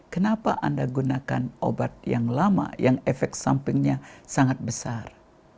kenapa anda gunakan obat yang lama yang efek sampingnya sangat besar